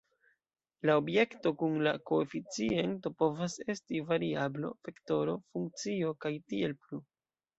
La objekto kun la koeficiento povas esti variablo, vektoro, funkcio, kaj tiel plu.